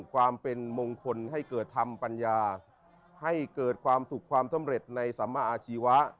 ความเป็นมงคลให้เกิดธรรมปัญญาให้เกิดความสุขความสำเร็จในสัมมาอาชีวะ